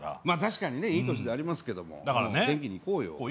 まぁ確かにねいい年ではありますけども元気にいこうよ。